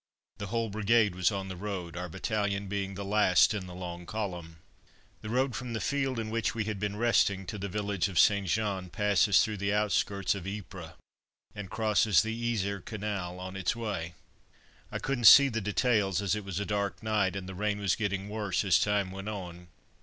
The whole brigade was on the road, our battalion being the last in the long column. The road from the field in which we had been resting to the village of St. Jean passes through the outskirts of Ypres, and crosses the Yser Canal on its way. I couldn't see the details as it was a dark night, and the rain was getting worse as time went on.